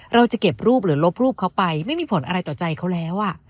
เราจะเก็บรูปหรือลบรูปเขาไปไม่มีผลอะไรต่อใจเขาแล้ว